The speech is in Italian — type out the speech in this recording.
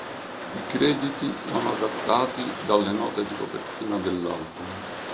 I crediti sono adattati dalle note di copertina dell'album.